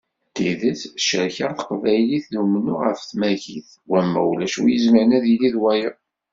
D tidet, tecrek-aɣ teqbaylit d umennuɣ ɣef tmagit, wamma ulac win izemmren ad yili d wayeḍ.